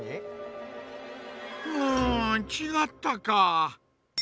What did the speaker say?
うんちがったか。